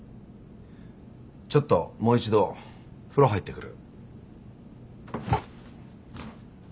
ちょっともう一度風呂入ってくる。